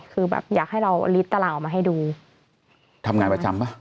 คือแบบอยากให้เราลิดตารางออกมาให้ดูทำงานประจำป่ะ